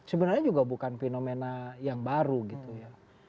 sebenarnya juga bukan fenomena yang baru gitu ya